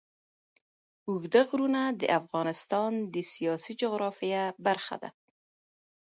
اوږده غرونه د افغانستان د سیاسي جغرافیه برخه ده.